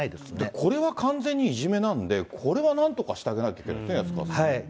これは完全にいじめなんで、これはなんとかしてあげないといけないですね、安川さんね。